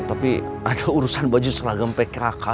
tapi ada urusan baju seragam pk